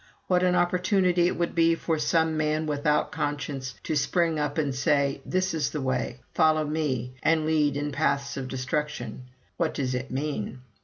What an opportunity it would be for some man without conscience to spring up and say: "This is the way; follow me" and lead in paths of destruction!' What does it mean?